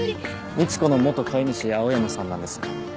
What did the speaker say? みちこの元飼い主青山さんなんです。